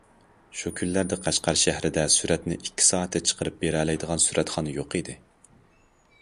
شۇ كۈنلەردە قەشقەر شەھىرىدە سۈرەتنى ئىككى سائەتتە چىقىرىپ بېرەلەيدىغان سۈرەتخانا يوق ئىدى.